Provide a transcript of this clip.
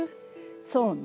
そうね。